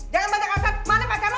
jangan banyak banyak mana pacar lo